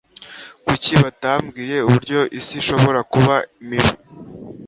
kuki batambwiye uburyo isi ishobora kuba mibi